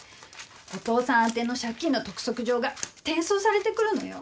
お父さん宛ての借金の督促状が転送されてくるのよ。